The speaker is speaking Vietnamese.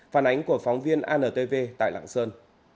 phản ánh của phóng viên antv tại lạng sơn